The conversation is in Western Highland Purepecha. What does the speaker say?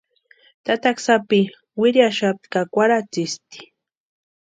Tataka sápi wiriaxapti ka kwarhatsïspti.